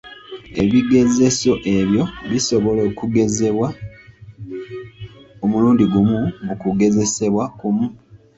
Ebigezeso ebyo bisobola okugezebwa, omulundi gumu mu kugezesebwa kumu.